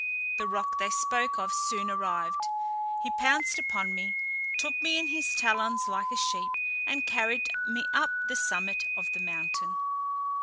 The roc they spoke of soon arrived; he pounced upon me, took me in his talons like a sheep, and carried me up the summit of the mountain.